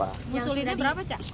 yang ngusulinnya berapa cak